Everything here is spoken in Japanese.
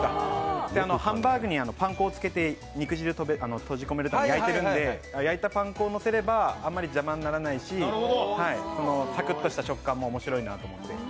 ハンバーグにパン粉をつけて肉汁閉じ込めて焼いているんで焼いたパン粉をのせればあんまり邪魔にならないしサクッとした食感も面白いなと思って。